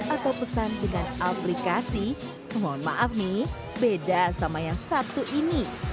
atau pesan dengan aplikasi mohon maaf nih beda sama yang satu ini